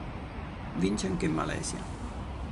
Vince anche in Malesia.